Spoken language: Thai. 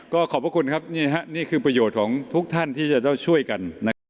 ก็ขอบพลักษณ์ครับนี่ครับนี่คือประโยชน์ของทุกท่านที่จะต้องช่วยกัน